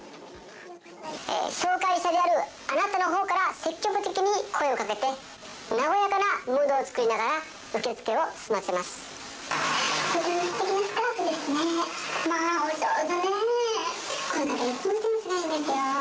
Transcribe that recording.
紹介者であるあなたのほうから、積極的に声をかけて、和やかなムードを作りながら受け付けを済ませます。